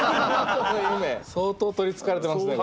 相当取りつかれてますね